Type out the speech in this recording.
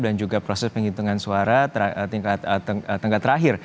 dan juga proses penghitungan suara tingkat terakhir